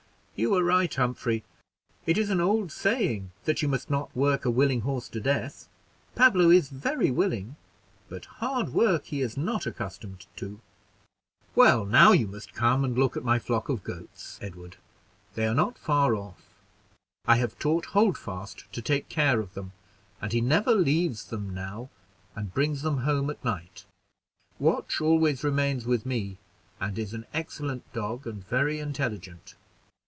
"You are right, Humphrey; it is an old saying, that you must not work a willing horse to death. Pablo is very willing, but hard work he is not accustomed to. "Well, now you must come and look at my flock of goats, Edward, they are not far off. I have taught Holdfast to take care of them, and he never leaves them now, and brings them home at night. Watch always remains with me, and is an excellent dog, and very intelligent."